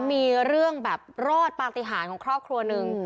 มีเรื่องแบบรอดปฏิหารของครอบครัวหนึ่ง